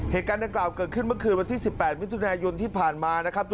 เหตุการณ์ดังกล่าวเกิดขึ้นเมื่อคืนวันที่๑๘มิถุนายนที่ผ่านมานะครับ